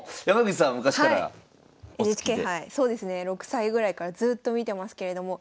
６歳ぐらいからずっと見てますけれども。